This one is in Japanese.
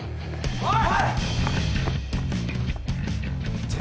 おい！